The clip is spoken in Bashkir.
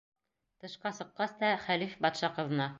Тышҡа сыҡҡас та, хәлиф батша ҡыҙына: